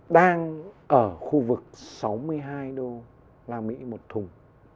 đang ở khu vực sáu mươi hai đô la mỹ một thùng